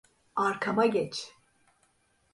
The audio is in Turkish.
Arkama geç.